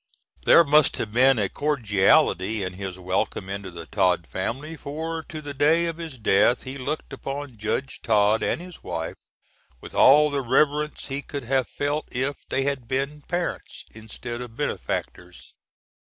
There must have been a cordiality in his welcome into the Tod family, for to the day of his death he looked upon judge Tod and his wife, with all the reverence he could have felt if they had been parents instead of benefactors.